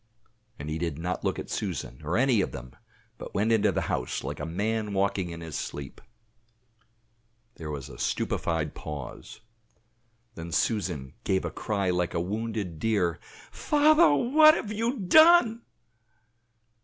And he did not look at Susan or any of them, but went into the house like a man walking in his sleep. There was a stupefied pause. Then Susan gave a cry like a wounded deer. "Father! what have you done?"